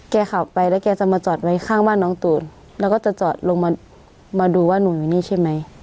ขับไปแล้วแกจะมาจอดไว้ข้างบ้านน้องตูนแล้วก็จะจอดลงมามาดูว่าหนูอยู่นี่ใช่ไหม